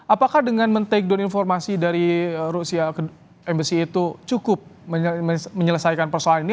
apakah dengan men take down informasi dari rusia emisi itu cukup menyelesaikan persoalan ini